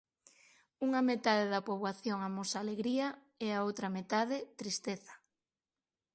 Unha metade da poboación amosa alegría e a outra metade, tristeza.